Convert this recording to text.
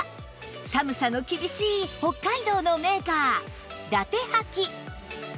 寒さの厳しい北海道のメーカーダテハキ